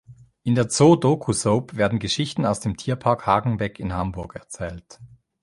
In der Zoo-Doku-Soap werden Geschichten aus dem Tierpark Hagenbeck in Hamburg erzählt.